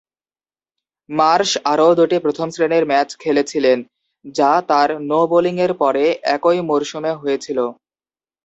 Marsh আরও দুটি প্রথম-শ্রেণীর ম্যাচ খেলেছিলেন, যা তাঁর নো-বোলিংয়ের পরে একই মরসুমে হয়েছিল।